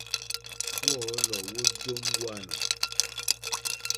Wɔ́ɔ̌lɔ̀ wó jóŋɡwânà.